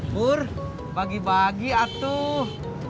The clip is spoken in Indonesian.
pur bagi bagi atuh